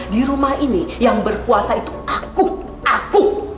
di rumah ini yang berkuasa itu aku